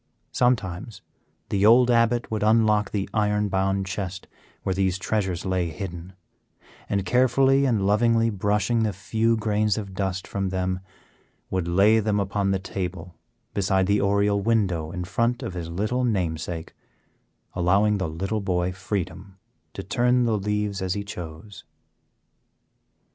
Sometimes the old Abbot would unlock the iron bound chest where these treasures lay hidden, and carefully and lovingly brushing the few grains of dust from them, would lay them upon the table beside the oriel window in front of his little namesake, allowing the little boy freedom to turn the leaves as he chose.